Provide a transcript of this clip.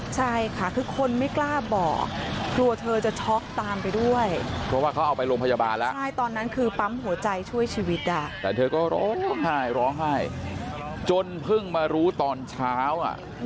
ใช่ค่ะคือคนไม่กล้าบอกกลัวเธอจะช็อกตามไปด้วยเพราะว่าเขาเอาไปโรงพยาบาลแล้วใช่ตอนนั้นคือปั๊มหัวใจช่วยชีวิตอ่ะแต่เธอก็ร้องไห้ร้องไห้จนเพิ่งมารู้ตอนเช้าอ่ะ